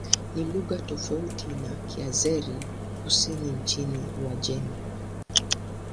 Ni lugha tofauti na Kiazeri-Kusini nchini Uajemi.